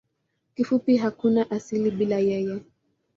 Kifupi hakuna asili bila yeye.